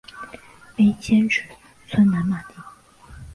碑迁址村南马地。